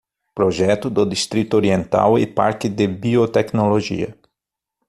Projeto do Distrito Oriental e Parque de Biotecnologia